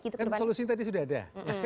kan solusi tadi sudah ada